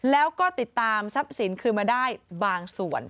แล้วก็ติดตามทรัพย์สินคืนมาได้บางส่วน